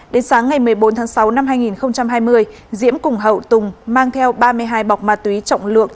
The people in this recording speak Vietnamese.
đến sáng ngày một mươi bốn tháng sáu năm hai nghìn hai mươi diễm cùng hậu tùng mang theo ba mươi hai bọc ma túy trọng lượng